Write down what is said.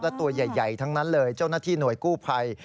และตัวใหญ่ทั้งนั้นเลยเจ้าหน้าที่หน่วยกู้ภัย